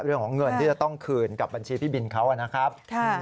เรื่องของเงินที่จะต้องคืนกับบัญชีพี่บินเขานะครับ